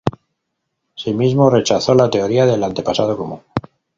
Asimismo, rechazó la teoría del antepasado común.